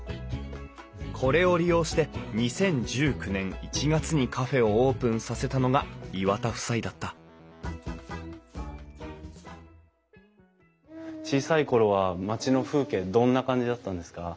これを利用して２０１９年１月にカフェをオープンさせたのが岩田夫妻だった小さい頃は町の風景どんな感じだったんですか？